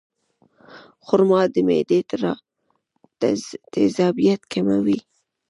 خرما د معدې تیزابیت کموي.